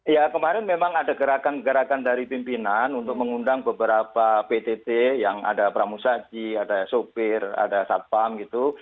ya kemarin memang ada gerakan gerakan dari pimpinan untuk mengundang beberapa ptt yang ada pramusaji ada sopir ada satpam gitu